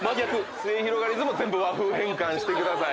すゑひろがりずも「全部和風変換してください」